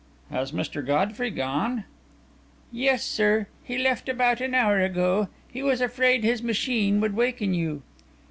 "Has Mr. Godfrey gone?" "Yes, sir; he left about an hour ago. He was afraid his machine would waken you."